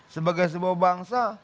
sebagai sebuah bangsa